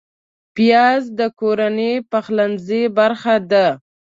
پیاز د کورنۍ پخلنځي برخه ده